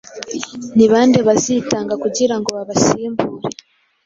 ni bande bazitanga kugira ngo babasimbure?